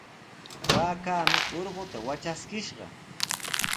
Waakaami urquta watraskishqa.